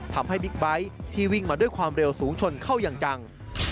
บิ๊กไบท์ที่วิ่งมาด้วยความเร็วสูงชนเข้าอย่างจัง